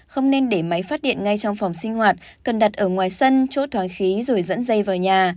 không nên để máy phát điện ngay trong phòng sinh hoạt cần đặt ở ngoài sân chốt thoáng khí rồi dẫn dây vào nhà